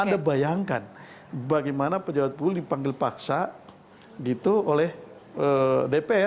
anda bayangkan bagaimana pejabat publik dipanggil paksa gitu oleh dpr